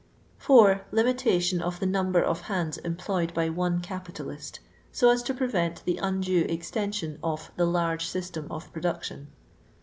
4. Limitation of the number of hands em ployed by one capitalist ; so as to prevent the undue extension of " the large system of production."